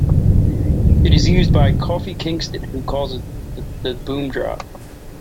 It was used by Kofi Kingston, who calls it the "Boom Drop".